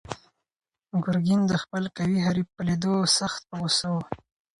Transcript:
ګرګین د خپل قوي حریف په لیدو سخت په غوسه و.